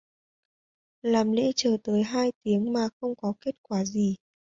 làm lễ chờ tới hơn hai tiếng mà không có kết quả gì